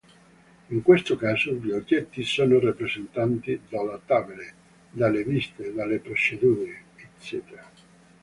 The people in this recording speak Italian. In questo caso gli oggetti sono rappresentati dalle tabelle, dalle viste, dalle procedure etc.